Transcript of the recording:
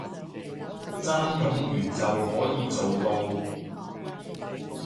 真冗員就可以做到